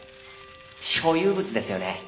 所有物ですよね？